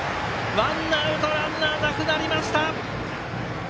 ワンアウトランナーなくなりました。